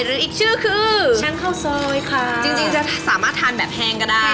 หรืออีกชื่อคือจริงจะสามารถทานแบบแฮงก็ได้